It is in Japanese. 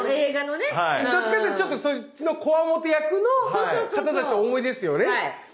どっちかっていったらちょっとそっちのこわもて役の方たちをお思いですよね。